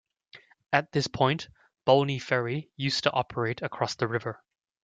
At this point, Bolney Ferry used to operate across the river.